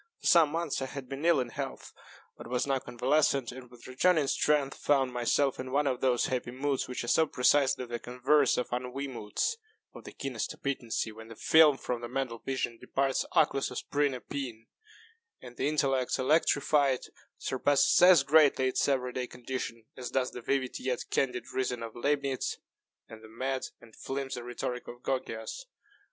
For some months I had been ill in health, but was now convalescent, and, with returning strength, found myself in one of those happy moods which are so precisely the converse of ennui moods of the keenest appetency, when the film from the mental vision departs the xxxxx xx xxxx xxxx [Greek text] and the intellect, electrified, surpasses as greatly its every day condition, as does the vivid yet candid reason of Leibnitz, the mad and flimsy rhetoric of Gorgias.